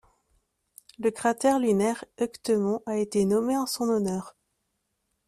Le cratère lunaire Euctemon a été nommé en son honneur.